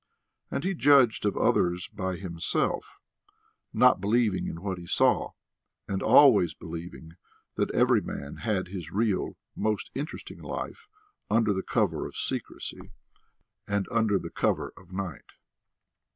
And he judged of others by himself, not believing in what he saw, and always believing that every man had his real, most interesting life under the cover of secrecy and under the cover of night.